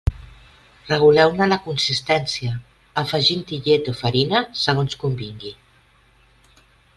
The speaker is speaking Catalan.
Reguleu-ne la consistència afegint-hi llet o farina segons convingui.